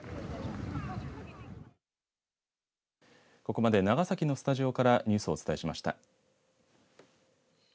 ここまで長崎のスタジオからニュースをお伝えしました。